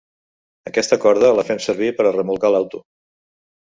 Aquesta corda, la fem servir per a remolcar l'auto.